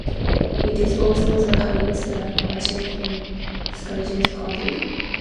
It is also the highest rank achieved in Skagit County.